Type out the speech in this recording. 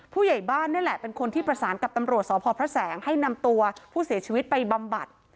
ผู้ใหญ่บ้านนี่แหละเป็นคนที่ประสานกับตำรวจสพพระแสงให้นำตัวผู้เสียชีวิตไปบำบัด